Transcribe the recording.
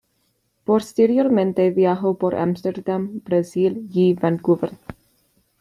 Posteriormente viajó por Ámsterdam, Brasil y Vancouver.